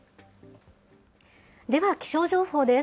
では、気象情報です。